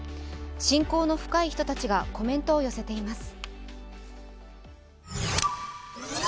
親交の深い人たちがコメントを寄せています。